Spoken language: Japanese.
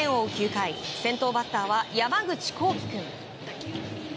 ９回先頭バッターは山口滉起君。